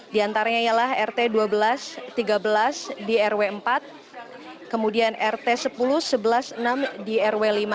di antaranya ialah rt dua belas tiga belas di rw empat kemudian rt sepuluh sebelas enam di rw lima